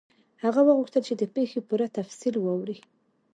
هغه وغوښتل چې د پیښې پوره تفصیل واوري.